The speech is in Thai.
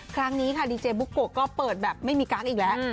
ครั้งนี้ค่ะดีเจบุ๊กโกะก็เปิดแบบไม่มีการ์ดอีกแล้ว